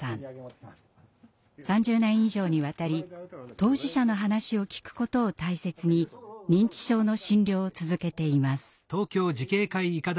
３０年以上にわたり当事者の話を聞くことを大切に認知症の診療を続けています。